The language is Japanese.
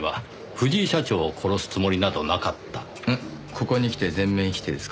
ここにきて全面否定ですか。